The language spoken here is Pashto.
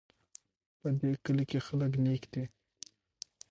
په دې کلي کې خلک نیک دي